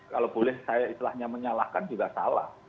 kalau boleh saya istilahnya menyalahkan juga salah